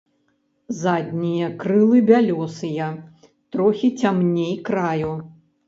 Заднія крылы бялёсыя, трохі цямней краю.